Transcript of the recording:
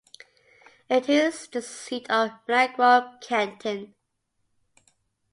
It is the seat of Milagro Canton.